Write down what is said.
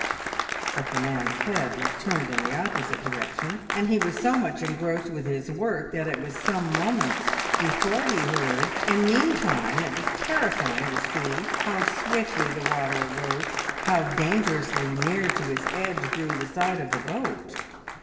But the man's head was turned in the opposite direction, and he was so much engrossed with his work that it was some moments before he heard, and meantime it was terrifying to see how swiftly the water arose, how dangerously near to its edge grew the side of the boat!